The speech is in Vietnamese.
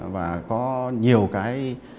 và có nhiều cái